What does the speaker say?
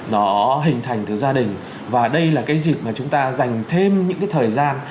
nó hình thành từ gia đình và đây là cái dịp mà chúng ta dành thêm những cái thời gian